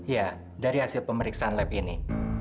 ya dari hasil pemeriksaan lab ini